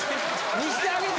見してあげて。